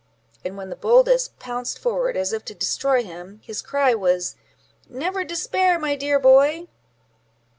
and when the boldest pounced forward, as if to destroy him, his cry was, "Never despair, my dear boy."